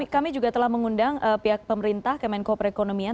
kami juga telah mengundang pihak pemerintah kemenko perekonomian